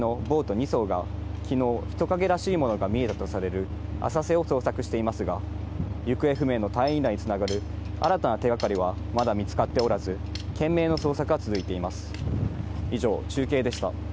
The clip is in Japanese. ２そうが昨日、人影らしいものが見えるとされる浅瀬を捜索していますが、行方不明の隊員らに繋がる新たな手がかりは、まだ見つかっておらず懸命の捜索が続いてます。